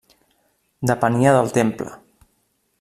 Depenia del temple.